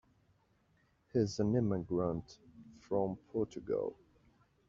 He's an immigrant from Portugal.